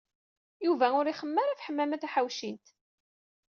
Yuba ur ixemmem ara ɣef Ḥemmama Taḥawcint.